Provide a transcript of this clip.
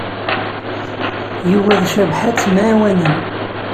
Yuba d Cabḥa ttemɛawanen.